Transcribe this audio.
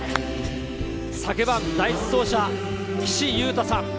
昨晩、第１走者、岸優太さん。